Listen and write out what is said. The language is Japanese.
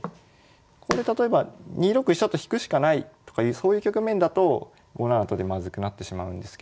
ここで例えば２六飛車と引くしかないとかいうそういう局面だと５七と金でまずくなってしまうんですけど。